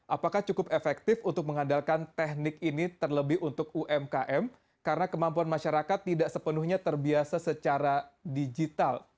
apakah cukup efektif untuk mengandalkan teknik ini terlebih untuk umkm karena kemampuan masyarakat tidak sepenuhnya terbiasa secara digital